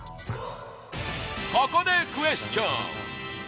ここでクエスチョン！